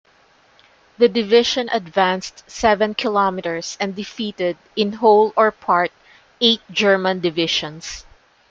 The division advanced seven kilometers and defeated, in whole or part, eight German divisions.